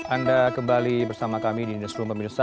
anda kembali bersama kami di newsroom pemirsa